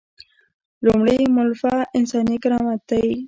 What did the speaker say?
لومړۍ مولفه انساني کرامت دی.